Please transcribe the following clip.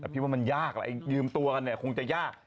พี่ว่ามันยากแหละยืมตัวกันเนี่ยคงจะยาก